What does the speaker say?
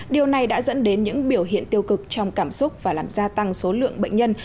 điều này đã dẫn đến những biểu hiện tiêu cực trong cảm xúc và làm gia tăng số lượng bệnh nhân